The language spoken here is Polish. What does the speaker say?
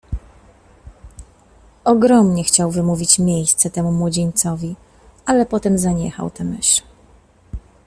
"Ogromnie chciał wymówić miejsce temu młodzieńcowi, ale potem zaniechał tę myśl."